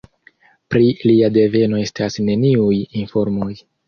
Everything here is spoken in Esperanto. Pri lia deveno estas neniuj informoj.